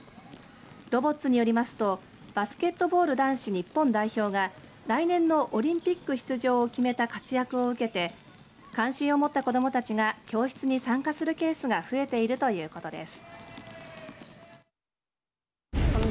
ロボッツによりますとバスケットボール男子日本代表が来年のオリンピック出場を決めた活躍を受けて関心を持った子どもたちが教室に参加するケースが増えているということです。